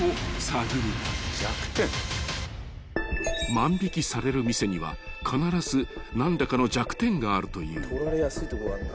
［万引される店には必ず何らかの弱点があるという］